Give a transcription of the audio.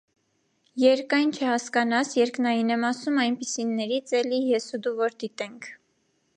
երկայն չհասկանաս, երկնային եմ ասում, այնպիսիներից, էլի, ես ու դու որ դիտենք: